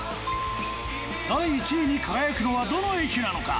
第１位に輝くのはどの駅なのか？